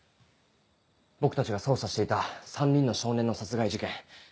僕たちが捜査していた３人の少年の殺害事件。